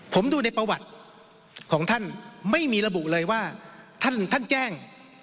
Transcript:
ผมดูในประวัติของท่านไม่มีระบุเลยว่าท่านแจ้ง